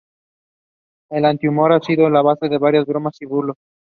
El anti-humor ha sido la base de varias bromas y bulos.